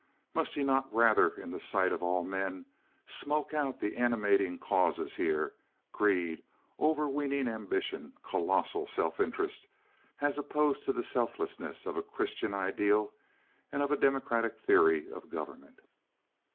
Must he not rather in the sight of all men smoke out the animating causes here—greed, over weening ambition, colossal self interest as opposed to the selflessness of a Christian ideal and of a democratic theory of government?